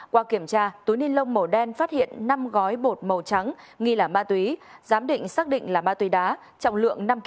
qua kiểm tra túi ni lông màu đen phát hiện năm gói bột màu trắng nghi là ma túy giám định xác định là ma túy đá trọng lượng năm kg